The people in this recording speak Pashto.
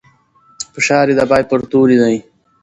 فشار يې د پای پر توري دی.